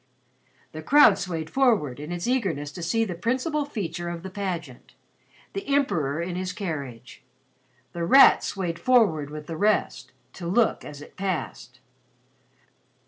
The crowd swayed forward in its eagerness to see the principal feature of the pageant the Emperor in his carriage. The Rat swayed forward with the rest to look as it passed.